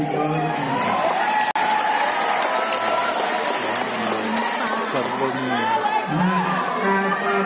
ini elektabilitasnya sudah going down